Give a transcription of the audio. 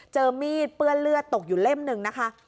เจอมีดเปื้อนเลือดตกอยู่เล่มหนึ่งนะคะ